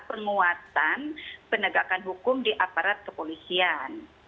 penguatan penegakan hukum di aparat kepolisian